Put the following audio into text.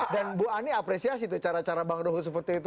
dan bu ani apresiasi tuh cara cara bang ruhut seperti itu